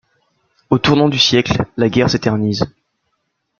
Au tournant du siècle, la guerre s'éternise.